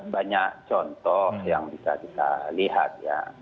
banyak contoh yang bisa kita lihat ya